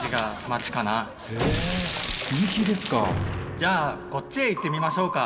じゃあこっちへ行ってみましょうか。